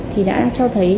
thì đã cho thấy